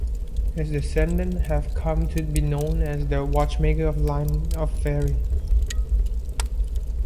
His "descendants" have come to be known as the Watchmaker line of Feri.